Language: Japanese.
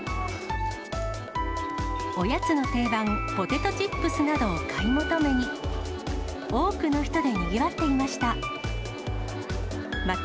おやつの定番、ポテトチップスなどを買い求めに、多くの人でにぎわっていました。